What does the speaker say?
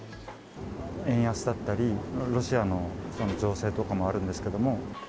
円安だったり、ロシアの情勢とかもあるんですけども。